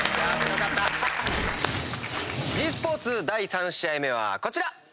ｇスポーツ第３試合目はこちら。